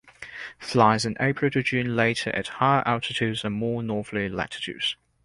Flies in April to June later at higher altitudes and more northerly latitudes.